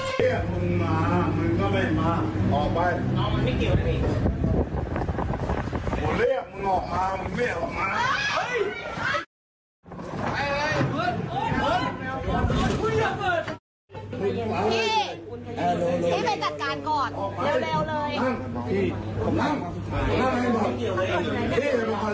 เฮ้ยเฮ้ยเฮ้ยเฮ้ยเฮ้ยเฮ้ยเฮ้ยเฮ้ยเฮ้ยเฮ้ยเฮ้ยเฮ้ยเฮ้ยเฮ้ยเฮ้ย